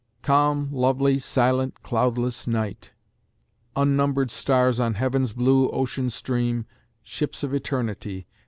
calm, lovely, silent, cloudless night! Unnumbered stars on Heaven's blue ocean stream, Ships of Eternity!